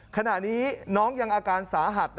ขณะนี้น้องยังอาการสาหัส